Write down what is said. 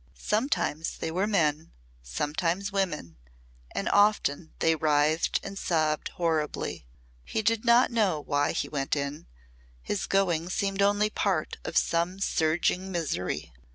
Sometimes they were men, sometimes women, and often they writhed and sobbed horribly. He did not know why he went in; his going seemed only part of some surging misery.